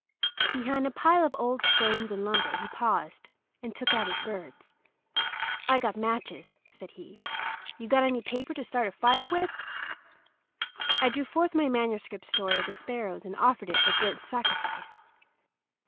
Behind a pile of old stones and lumber he paused, and took out his birds. "I got matches," said he. "You got any paper to start a fire with?" I drew forth my manuscript story of the sparrows, and offered it for burnt sacrifice.